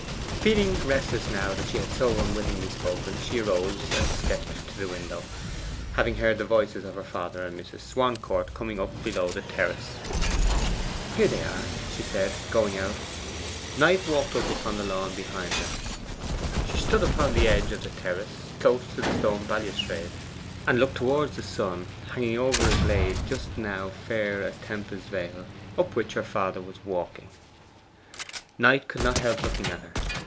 Feeling restless now that she had so unwittingly spoken, she arose and stepped to the window, having heard the voices of her father and Mrs. Swancourt coming up below the terrace. 'Here they are,' she said, going out. Knight walked out upon the lawn behind her. She stood upon the edge of the terrace, close to the stone balustrade, and looked towards the sun, hanging over a glade just now fair as Tempe's vale, up which her father was walking. Knight could not help looking at her.